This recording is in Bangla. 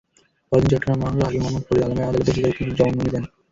পরদিন চট্টগ্রাম মহানগর হাকিম মোহাম্মদ ফরিদ আলমের আদালতে স্বীকারোক্তিমূলক জবানবন্দি দেন।